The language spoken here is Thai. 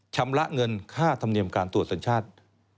ชำระเงินค่าธรรมเนียมการตรวจสัญชาติ